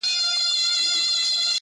• ولاتونه به سي ډک له جاهلانو -